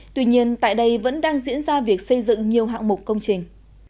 tuy nhiên tại đây vẫn đang diễn ra việc xây dựng nhiều hạng mục công trình